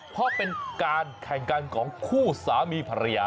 เพราะเป็นการแข่งกันของคู่สามีภรรยา